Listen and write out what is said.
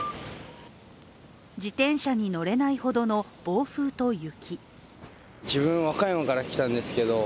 自転車に乗れないほどの暴風と雪。